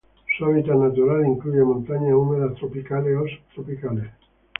Su hábitat natural incluye montañas húmedas tropicales o subtropicales.